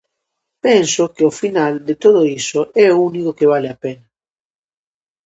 Penso que ao final de todo iso é o único que vale a pena.